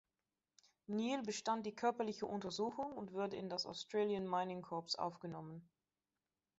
Neill bestand die körperliche Untersuchung und wurde in das Australian Mining Corps aufgenommen.